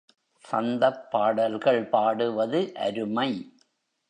சந்தப் பாடல்கள் பாடுவது அருமை.